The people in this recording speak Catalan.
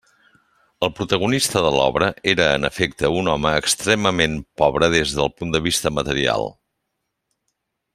El protagonista de l'obra era en efecte un home extremament pobre des del punt de vista material.